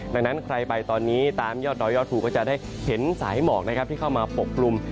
ดังนั้นใครไปตอนนี้ตามยอดต่อยอดถูกก็จะได้เห็นสายหมอกที่เข้ามาปกปรุม